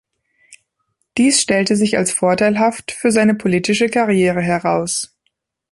Dies stellte sich als vorteilhaft für seine politische Karriere heraus.